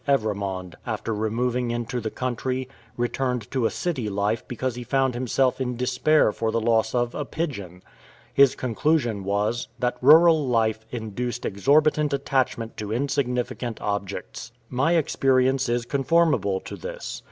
Evremond, after removing into the country, returned to a city life because he found himself in despair for the loss of a pigeon. His conclusion was, that rural life induced exorbitant attachment to insignificant objects. My experience is conformable to this.